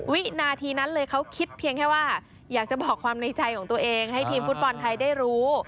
วินาทีนั้นเลยเขาคิดเพียงแค่ว่าอยากจะบอกความในใจของตัวเองให้ทีมฟุตบอลไทยได้รู้